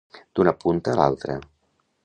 D'una punta a l'altra.